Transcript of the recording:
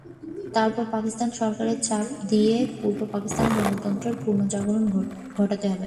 তারপর পাকিস্তান সরকারকে চাপ দিয়ে পূর্ব পাকিস্তানে গণতন্ত্রের পুনর্জাগরণ ঘটাতে হবে।